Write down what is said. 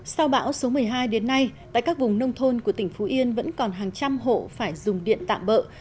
sau bão số một mươi hai đến nay tại các vùng nông thôn của tỉnh phú yên vẫn còn hàng trăm hộ phải dùng điện tạm bỡ